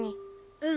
うん。